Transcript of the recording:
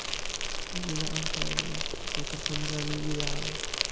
mi wile ante e ni. taso tenpo ni la mi wile ala.